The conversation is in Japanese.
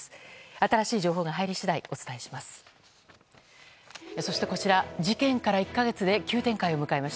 新しい情報が入り次第お伝えします。